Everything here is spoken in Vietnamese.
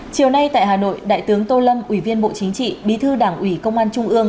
chiều nay tại hà nội đại tướng tô lâm ủy viên bộ chính trị bí thư đảng ủy công an trung ương